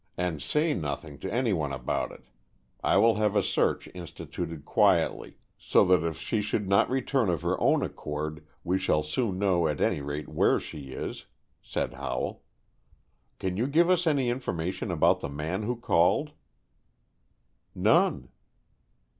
And say nothing to anyone about it. I will have a search instituted quietly, so that if she should not return of her own accord, we shall soon know, at any rate, where she is," said Howell. "Can you give us any information about the man who called?" "None."